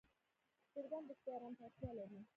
چرګان د شپې آرام ته اړتیا لري.